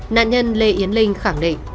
nạn nhân lê yến linh khẳng định